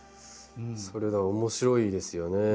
それが面白いですよね。